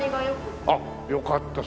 あっよかった。